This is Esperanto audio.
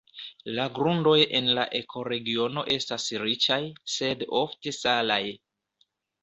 La grundoj en la ekoregiono estas riĉaj, sed ofte salaj.